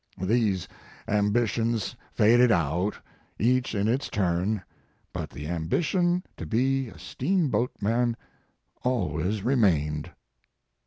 These ambitions faded out, each in its turn, but the ambition to be a steamboat man always remained."